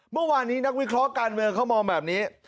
เมื่อวานนี้นักวิเคราะห์การเมืองเขามองแบบนี้